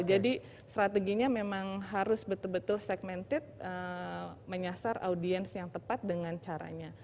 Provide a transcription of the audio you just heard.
jadi strateginya memang harus betul betul segmented menyasar audiens yang tepat dengan caranya